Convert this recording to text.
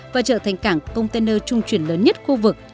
và trở thành cảng container trung chuyển lớn nhất khu vực